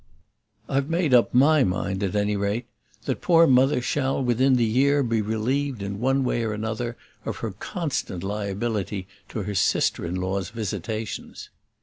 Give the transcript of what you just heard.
I've made up my mind at any rate that poor Mother shall within the year be relieved in one way or another of her constant liability to her sister in law's visitations.